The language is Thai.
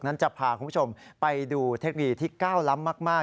นั้นจะพาคุณผู้ชมไปดูเทคโนมัติธรรมที่ก้าวล้ำมาก